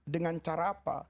dengan cara apa